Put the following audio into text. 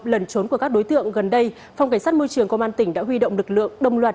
lẩn trốn của các đối tượng gần đây phòng cảnh sát môi trường công an tỉnh đã huy động lực lượng đồng loạt